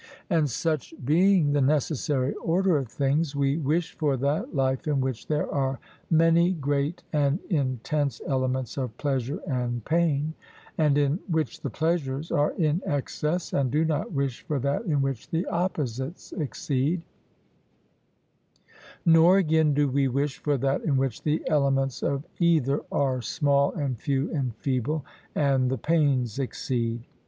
And such being the necessary order of things, we wish for that life in which there are many great and intense elements of pleasure and pain, and in which the pleasures are in excess, and do not wish for that in which the opposites exceed; nor, again, do we wish for that in which the elements of either are small and few and feeble, and the pains exceed.